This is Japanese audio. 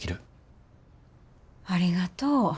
ありがとう。